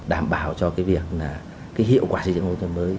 đảm bảo cho cái việc là cái hiệu quả xây dựng nông thôn mới